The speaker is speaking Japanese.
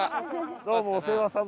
どうもお世話さま。